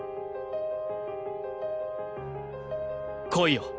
来いよ。